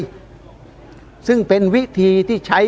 ตอนต่อไป